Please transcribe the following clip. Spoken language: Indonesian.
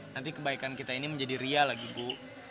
nanti kebaikan kita ini menjadi ria lagi bu